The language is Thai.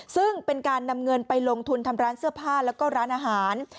ซึ่งเป็นการนำเงินไปลงทุนทำร้านเสื้อผ้าแล้วก็ร้านอาหาร